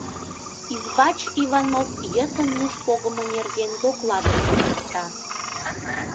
Избач Иванов йытын муш погымо нерген докладым «шыжыкта».